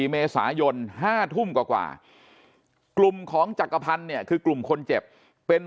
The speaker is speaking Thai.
เมษายน๕ทุ่มกว่ากลุ่มของจักรพันธ์เนี่ยคือกลุ่มคนเจ็บเป็น